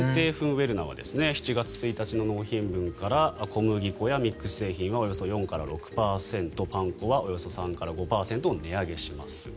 ウェルナは７月１日の納品分から小麦粉やミックス製品はおよそ４から６％パン粉はおよそ３から５％値上げします。